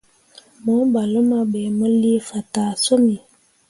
Mo ɓah luma ɓe, mu lii fataa summi.